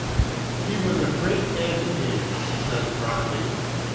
"He was a great agitator," says Brandes.